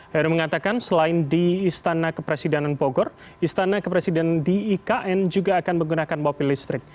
heru mengatakan selain di istana kepresidenan bogor istana kepresiden di ikn juga akan menggunakan mobil listrik